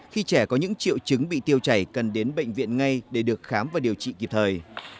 khi trẻ có những triệu chứng bị tiêu chảy cần đến bệnh viện ngay để được khám và điều trị kịp thời